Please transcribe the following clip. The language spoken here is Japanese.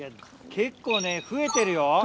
結構ね増えてるよ。